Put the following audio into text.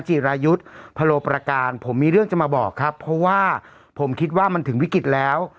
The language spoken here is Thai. จิรายุทธ์พะโลประการผมมีเรื่องจะมาบอกครับเพราะว่าผมคิดว่ามันถึงวิกฤตแล้ว